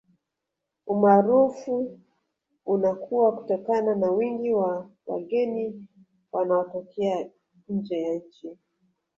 Umaarufu unakuwa kutokana na wingi wa wageni wanaotokea nje ya nchi